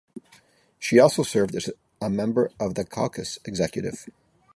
She also served as a member of the caucus executive.